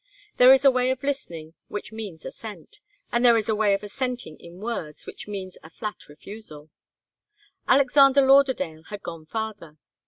There is a way of listening which means assent, as there is a way of assenting in words which mean a flat refusal. Alexander Lauderdale had gone farther.